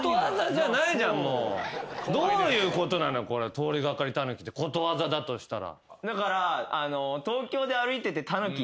「とおりがかりたぬき」ってことわざだとしたら。